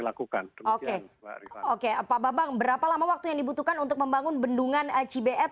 lakukan oke oke apa babang berapa lama waktu yang dibutuhkan untuk membangun bendungan acibet